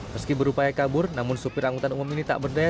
meski berupaya kabur namun supir angkutan umum ini tak berdaya